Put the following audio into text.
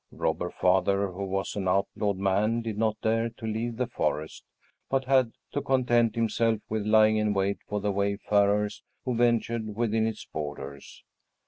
Robber Father, who was an outlawed man, did not dare to leave the forest, but had to content himself with lying in wait for the wayfarers who ventured within its borders.